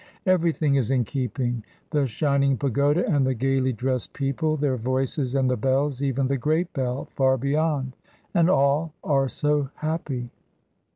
Everything is in keeping the shining pagoda and the gaily dressed people, their voices and the bells, even the great bell far beyond, and all are so happy.